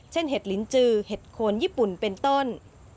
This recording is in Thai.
เห็ดลิ้นจือเห็ดโคนญี่ปุ่นเป็นต้น